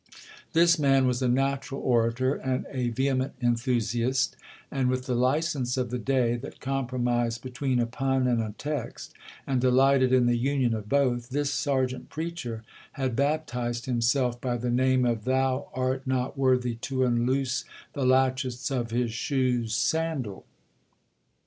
This man was a natural orator, and a vehement enthusiast; and, with the license of the day, that compromised between a pun and a text, and delighted in the union of both, this serjeant preacher had baptized himself by the name of—'Thou art not worthy to unloose the latchets of his shoes,— Sandal.'